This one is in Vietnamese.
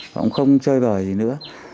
cũng không chơi bời gì nữa